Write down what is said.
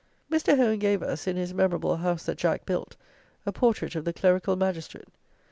Mr. HONE gave us, in his memorable "House that Jack built," a portrait of the "Clerical Magistrate."